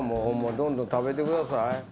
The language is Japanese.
どんどん食べてください。